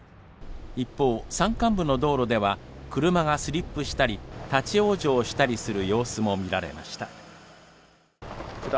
一方、山間部の道路では車がスリップしたり立往生したりする様子もみられました。